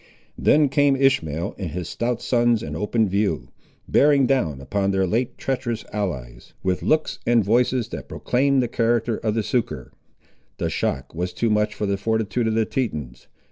Then came Ishmael and his stout sons in open view, bearing down upon their late treacherous allies, with looks and voices that proclaimed the character of the succour. The shock was too much for the fortitude of the Tetons.